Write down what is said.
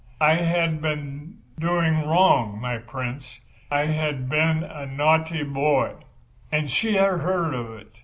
I had been doing wrong, my dear Prince—I had been a naughty boy, and she had heard of it.